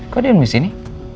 kok dia nunggu sini